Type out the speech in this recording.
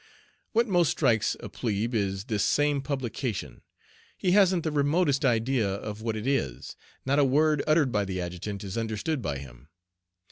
What most strikes a "plebe" is this same publication. He hasn't the remotest idea of what it is. Not a word uttered by the adjutant is understood by him.